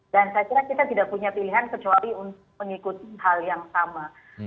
dan saya kira kita tidak punya pilihan kecuali mengikut hal yang sama